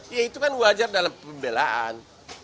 ya itu kan wajar dalam pembelaan